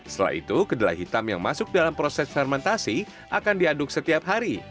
setelah itu kedelai hitam yang masuk dalam proses fermentasi akan diaduk setiap hari